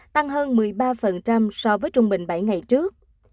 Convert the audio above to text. tăng hơn một mươi ba so với trung bình bảy ngày trước